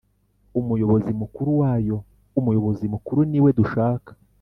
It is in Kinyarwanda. Umuyobozi Mukuru wayo Umuyobozi Mukuru niwe dushaka